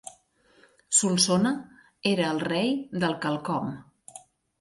Solsona era el rei del quelcom.